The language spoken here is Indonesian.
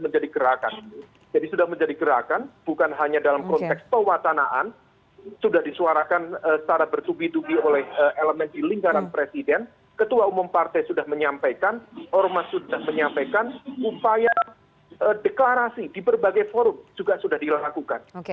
jadi sudah menjadi gerakan bukan hanya dalam konteks pewatanaan sudah disuarakan secara bertubi tubi oleh elemen di lingkaran presiden ketua umum partai sudah menyampaikan orman sudah menyampaikan upaya deklarasi di berbagai forum juga sudah dilakukan